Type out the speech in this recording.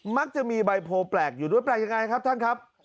มักจะมีใบโพลแปลกอยู่ด้วยแปลกยังไงครับท่านครับ